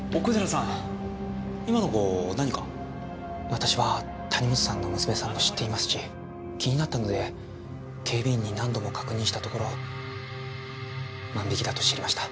私は谷本さんの娘さんを知っていますし気になったので警備員に何度も確認したところ万引きだと知りました。